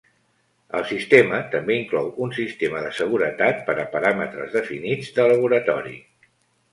El sistema també inclou un sistema de seguretat per a paràmetres definits de laboratori.